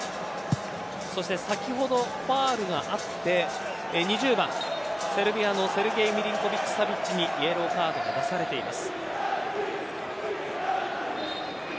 先ほどファウルがあって、２０番セルビアのセルゲイ・ミリンコヴィッチ・サヴィッチにイエローカードが出されています。